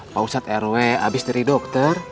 pak ustadz rw habis dari dokter